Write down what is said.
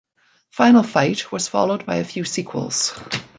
"Final Fight" was followed by a few sequels.